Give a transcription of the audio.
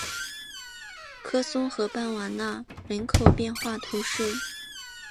科松河畔瓦讷人口变化图示